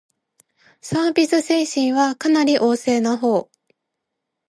サービス精神はかなり旺盛なほう